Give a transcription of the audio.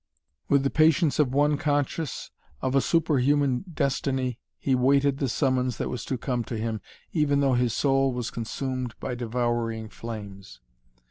With the patience of one conscious of a superhuman destiny he waited the summons that was to come to him, even though his soul was consumed by devouring flames.